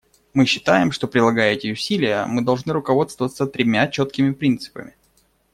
Мы считаем, что, прилагая эти усилия, мы должны руководствоваться тремя четкими принципами.